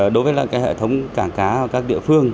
đối với hệ thống cảng cá các địa phương